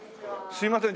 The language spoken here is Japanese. すいません